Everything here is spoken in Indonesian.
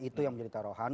itu yang menjadi taruhan